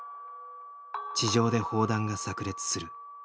地上で砲弾が炸裂する。